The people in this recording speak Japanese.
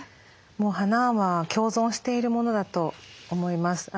もう花は共存しているものだと思います。